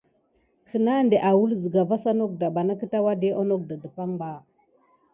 Sina siga wule anok da vas ka mis kinasuk ba pane suk berakin nawa.